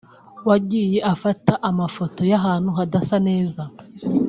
wagiye agafata amafoto y’ahantu hadasa neza